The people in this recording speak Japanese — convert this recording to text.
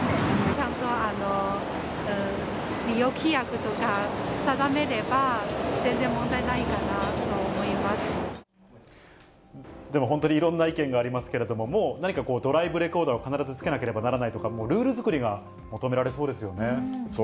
ちゃんと利用規約とか定めれば、でも本当にいろんな意見がありますけれども、もう何かこう、ドライブレコーダーを必ずつけなければならないとか、ルール作りそうですね。